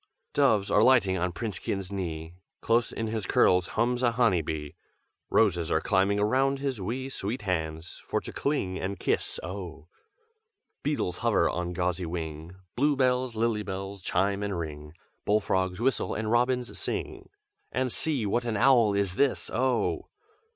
"Doves are lighting on Princekin's knee, Close in his curls hums a honey bee, Roses are climbing around his wee Sweet hands, for to cling and kiss, oh! Beetles hover on gauzy wing, Blue bells, lily bells, chime and ring, Bull frogs whistle and robins sing, And see, what an owl is this, oh!